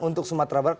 untuk sumatera barat